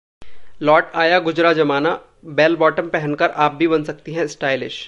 लौट आया गुजरा जमाना, बेलबॉटम पहनकर आप भी बन सकती हैं स्टाइलिश